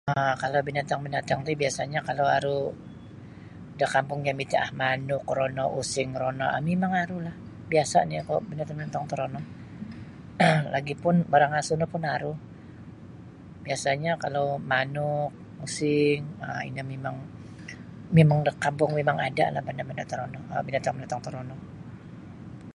um kalau binatang-binatang ti biasanyo kalau aru da kampung jami' ti um manuk rono using rono um mimang arulah biasa' nio kuo binatang-binatang torono lagi pun barang asu no pun aru. Biasa'nyo kalau manuk using um ino mimang mimang da kampung mimang ada'lah banda'-banda' torono binatang-binatang torono.